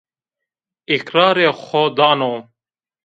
Îqrarê xo dano